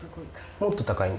もっと高いんだ。